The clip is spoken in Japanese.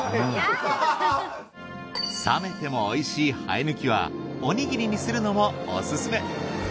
冷めてもおいしいはえぬきはおにぎりにするのもオススメ。